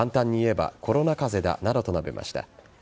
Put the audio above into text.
簡単に言えばコロナ風邪だなどと述べました。